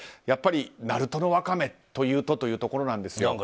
やっぱり鳴門のワカメというとというところなんですが。